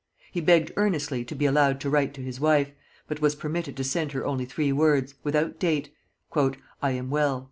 He begged earnestly to be allowed to write to his wife, but was permitted to send her only three words, without date: "I am well."